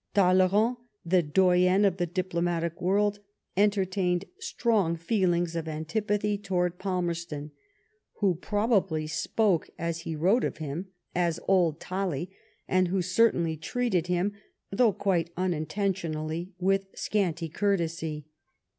Talleyrand, the doyen of the diplo* matic world entertained strong feelings of antipathy towards Palmerston, who probably spoke as he wrote of him, as " old Talley," and who certainly treated him, though quite unintentionally, with scanty courtesy.